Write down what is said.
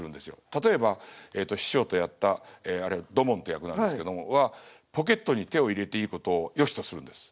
例えば師匠とやったあれ土門って役なんですけどもはポケットに手を入れていいことをよしとするんです。